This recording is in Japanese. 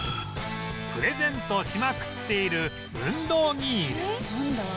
プレゼントしまくっている運動着入れ